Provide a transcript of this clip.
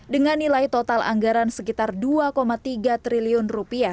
dengan nilai total anggaran sekitar rp dua tiga triliun